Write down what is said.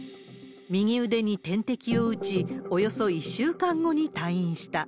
右腕に点滴を打ち、およそ１週間後に退院した。